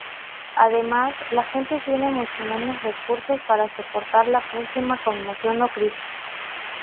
Además, la gente tiene mucho menos recursos para soportar la próxima conmoción o crisis.